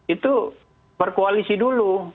itu berkoalisi dulu